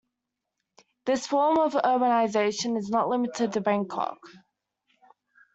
This form of urbanization is not limited to Bangkok.